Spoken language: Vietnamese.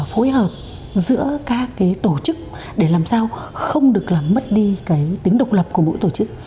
hối hợp giữa các tổ chức để làm sao không được mất đi tính độc lập của mỗi tổ chức